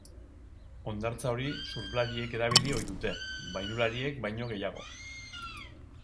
Hondartza hori surflariek erabili ohi dute, bainulariek baino gehiago.